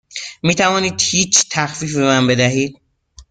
می توانید هیچ تخفیفی به من بدهید؟